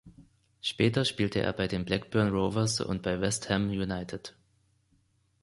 Später spielte er bei den Blackburn Rovers und bei West Ham United.